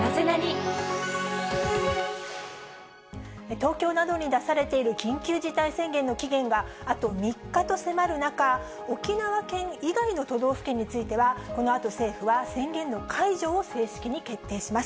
東京などに出されている緊急事態宣言の期限が、あと３日と迫る中、沖縄県以外の都道府県については、このあと、政府は宣言の解除を正式に決定します。